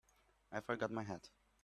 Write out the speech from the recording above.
I forgot my hat.